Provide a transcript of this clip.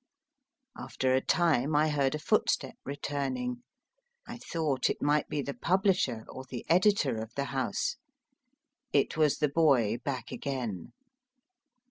After a time I heard a footstep returning. I thought it might be the pub lisher or the editor of the house. It was the boy back again.